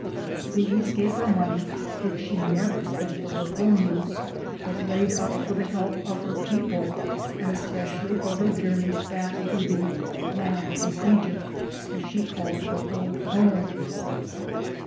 These gave her money, which she never spent for her own use", but laid up for the help of her people, and especially for her journeys back to the ' land of Egypt,' as she called her old home.